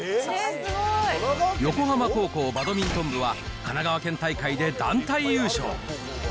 横浜高校バドミントン部は、神奈川県大会で団体優勝。